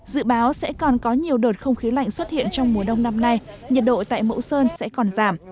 dự báo sẽ còn có nhiều đợt không khí lạnh xuất hiện trong mùa đông năm nay nhiệt độ tại mẫu sơn sẽ còn giảm